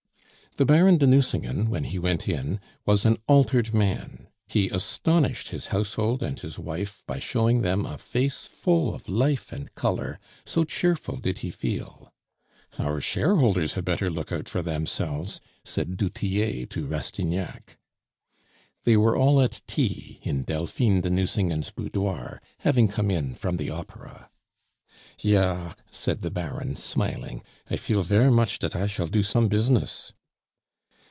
The Baron de Nucingen, when he went in, was an altered man; he astonished his household and his wife by showing them a face full of life and color, so cheerful did he feel. "Our shareholders had better look out for themselves," said du Tillet to Rastignac. They were all at tea, in Delphine de Nucingen's boudoir, having come in from the opera. "Ja," said the Baron, smiling; "I feel ver' much dat I shall do some business."